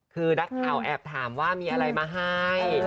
คือนักข่าวแอบถามว่ามีอะไรมาให้